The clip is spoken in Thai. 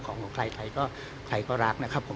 ของของใครใครก็รักนะครับ